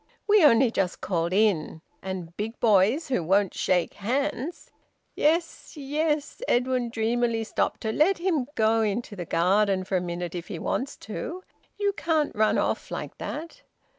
We only just called in. And big boys who won't shake hands " "Yes, yes!" Edwin dreamily stopped her. "Let him go into the garden for a minute if he wants to. You can't run off like that!